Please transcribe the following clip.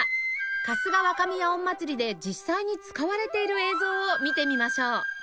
春日若宮おん祭で実際に使われている映像を見てみましょう